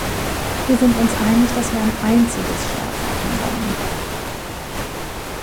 Wir sind uns einig, dass wir ein einziges Startdatum wollen.